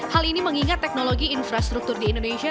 hal ini mengingat teknologi infrastruktur di indonesia